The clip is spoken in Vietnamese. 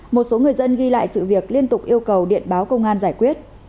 một số người dân ghi lại sự việc liên tục yêu cầu điện báo công an giải quyết